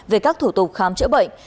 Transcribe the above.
về các thủ tục khám chữa bệnh